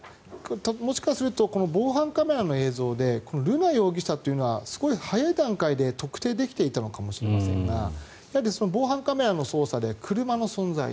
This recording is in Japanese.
もしかすると防犯カメラの映像で瑠奈容疑者というのは少し早い段階で特定できていたのかもしれませんが防犯カメラの捜査で、車の存在